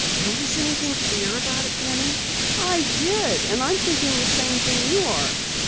"Notice anything queer about it, Penny?" "I did, and I'm thinking the same thing you are."